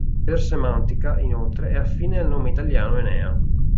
Per semantica, inoltre, è affine al nome italiano Enea.